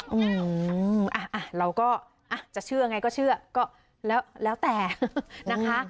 อืมอ่ะเราก็จะเชื่อไงก็เชื่อก็แล้วแต่นะคะ